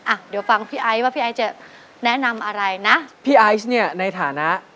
อ่ะเดี๋ยวฟังพี่ไอซ์ว่าพี่ไอซ์จะแนะนำอะไรนะพี่ไอซ์เนี่ยในฐานะ